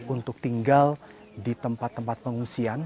untuk tinggal di tempat tempat pengungsian